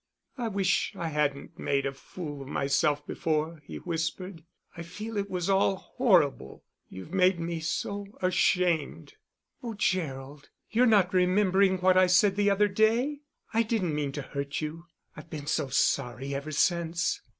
"I wish I hadn't made a fool of myself before," he whispered. "I feel it was all horrible; you've made me so ashamed." "Oh, Gerald, you're not remembering what I said the other day? I didn't mean to hurt you. I've been so sorry ever since."